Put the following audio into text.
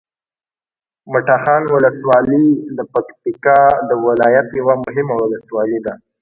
مټاخان ولسوالي د پکتیکا ولایت یوه مهمه ولسوالي ده